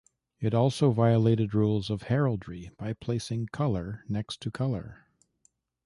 It also violated rules of heraldry by placing colour next to colour.